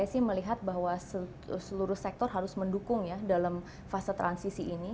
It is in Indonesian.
dan saya sih melihat bahwa seluruh sektor harus mendukung ya dalam fase transisi ini